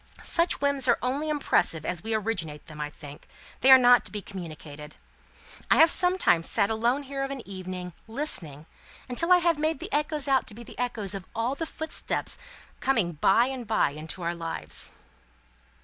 Such whims are only impressive as we originate them, I think; they are not to be communicated. I have sometimes sat alone here of an evening, listening, until I have made the echoes out to be the echoes of all the footsteps that are coming by and bye into our lives."